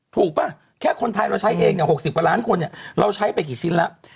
ป่ะแค่คนไทยเราใช้เอง๖๐กว่าล้านคนเราใช้ไปกี่ชิ้นแล้ว